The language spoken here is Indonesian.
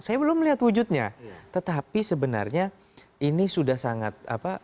saya belum melihat wujudnya tetapi sebenarnya ini sudah sangat apa